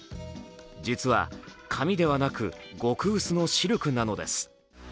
実は、紙ではなく極薄のシルクなのです。